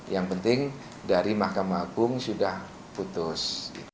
yang penting dari mahkamah agung sudah putus